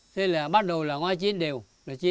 thế là bắt đầu là ngói chín đều rồi chín